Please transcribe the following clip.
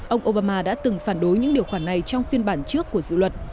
ông obama đã từng phản đối những điều khoản này trong phiên bản trước của dự luật